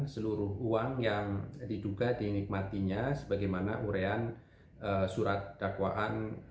seluruh uang yang diduga dinikmatinya sebagaimana urean surat dakwaan